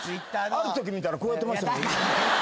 あるとき見たらこうやってました。